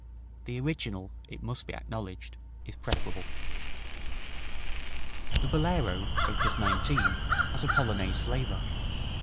The original, it must be acknowledged, is preferable. The Bolero, op. 19, has a Polonaise flavor.